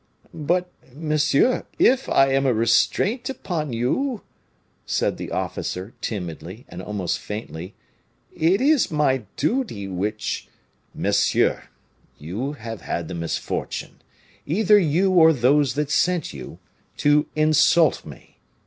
"But, monsieur, if I am a restraint upon you," said the officer, timidly, and almost faintly, "it is my duty which " "Monsieur, you have had the misfortune, either you or those that sent you, to insult me.